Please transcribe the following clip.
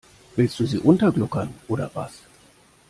Willst du sie untergluckern oder was?